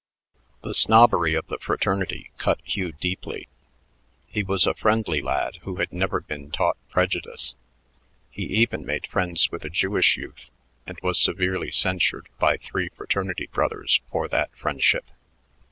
The snobbery of the fraternity cut Hugh deeply. He was a friendly lad who had never been taught prejudice. He even made friends with a Jewish youth and was severely censured by three fraternity brothers for that friendship.